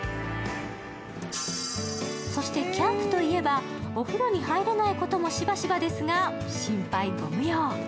そして、キャンプといえばお風呂に入れないこともしばしばですが、心配ご無用。